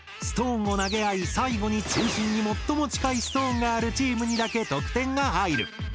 ストーンを投げ合い最後に中心に最も近いストーンがあるチームにだけ得点が入る。